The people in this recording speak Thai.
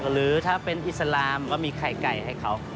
หรือถ้าเป็นอิสลามก็มีไข่ไก่ให้เขา